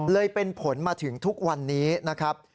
เป็นผลมาถึงทุกวันนี้นะครับ